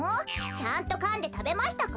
ちゃんとかんでたべましたか？